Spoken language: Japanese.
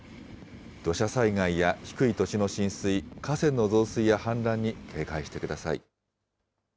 土砂災害や低い土地の浸水、河川の増水や氾濫に警戒してください。